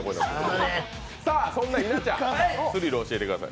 そんな稲ちゃんスリル教えてください。